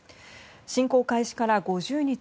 侵攻開始から５０日。